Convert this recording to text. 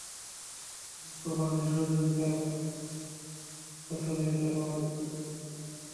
পরে সুবহানের সহযোগীরা ধারালো অস্ত্র দিয়ে তাঁর বাবাকে কুপিয়ে হত্যা করে।